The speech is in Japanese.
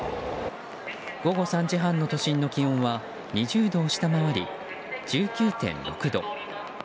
午後３時半の都心の気温は２０度を下回り１９．６度。